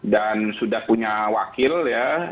dan sudah punya wakil ya